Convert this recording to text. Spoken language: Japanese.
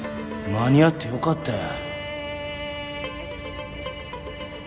間に合ってよかったよ。